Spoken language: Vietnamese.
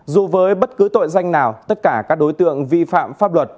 dù với bất cứ tội danh nào tất cả các đối tượng vi phạm pháp luật